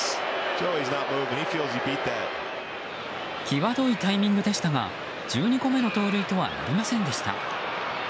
きわどいタイミングでしたが１２個目の盗塁とはなりませんでした。